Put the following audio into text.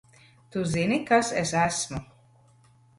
Tu zini, kas es esmu?